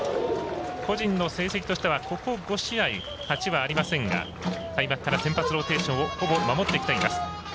個人の成績としては、ここ５試合勝ちはありませんが開幕から先発ローテーションをほぼ守ってきています。